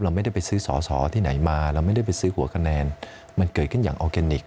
ไม่ได้ไปซื้อสอสอที่ไหนมาเราไม่ได้ไปซื้อหัวคะแนนมันเกิดขึ้นอย่างออร์แกนิค